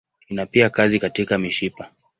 Ina pia kazi katika mishipa.